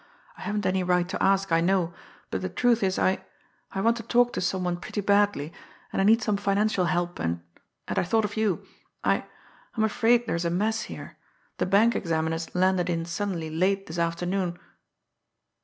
I haven't any right to ask it, I know, but the truth is I I want to talk to some one pretty badly, and I need some financial help, and and I thought of you. I I'm afraid there's a mess here. The bank examiners landed in suddenly late this afternoon."